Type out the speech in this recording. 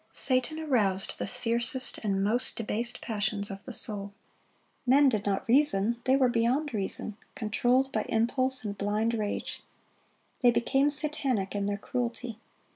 Satan aroused the fiercest and most debased passions of the soul. Men did not reason; they were beyond reason,—controlled by impulse and blind rage. They became satanic in their cruelty.